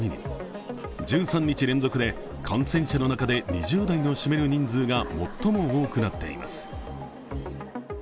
１３日連続で感染者の中で２０代の占める人数が最も多くなっています。